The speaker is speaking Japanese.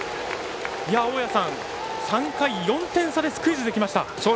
大矢さん、３回に４点差でスクイズできました。